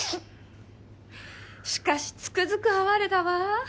しかしつくづく哀れだわぁ。